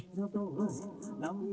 có người muốn vào khu chợ này